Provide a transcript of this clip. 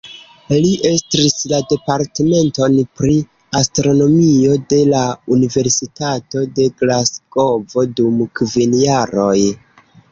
Li estris la Departementon pri astronomio de la Universitato de Glasgovo dum kvin jaroj.